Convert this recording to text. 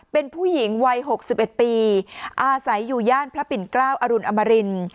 เป็นผู้หญิงวัย๖๑ปีอาศัยอยู่ย่านพระปิ่นเกล้าอรุณอมริน